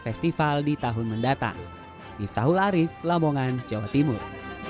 festival di tahun mendatang miftahul arief lamongan jawa timur